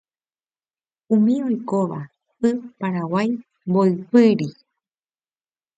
Umi oikóva Y Paraguay mboypýri